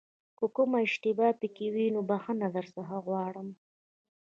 که کومه اشتباه پکې وي نو بښنه درڅخه غواړم.